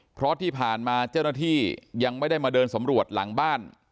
เพราะที่ผ่านมาเจ้าหน้าที่ยังไม่ได้มาเดินสำรวจหลังบ้าน